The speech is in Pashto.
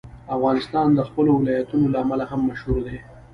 افغانستان د خپلو ولایتونو له امله هم مشهور دی.